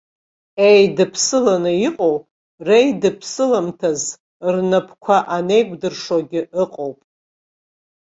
Еидыԥсыланы иҟоу реидыԥсыламҭаз рнапқәа анеикәдыршогьы ыҟоуп.